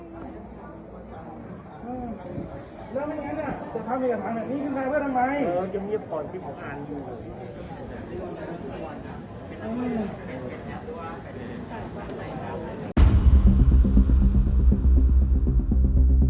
ไม่แค่ให้ลูกค้าต้องมาแท่ร้อน